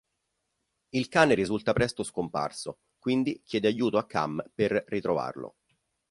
Il cane risulta presto scomparso, quindi chiede aiuto a Cam per ritrovarlo.